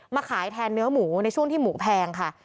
ขายแทนเนื้อหมูในช่วงที่หมูแพงค่ะ